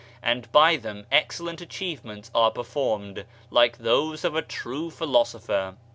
And by them excellent achievements are performed, like those of a true philosopher.